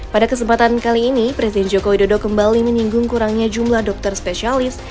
pada kesempatan kali ini presiden joko widodo kembali menyinggung kurangnya jumlah dokter spesialis